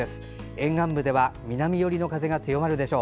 沿岸部では南寄りの風が強まるでしょう。